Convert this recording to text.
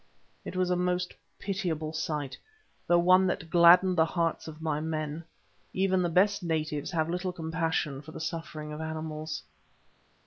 It was a most pitiable sight, though one that gladdened the hearts of my men. Even the best natives have little compassion for the sufferings of animals.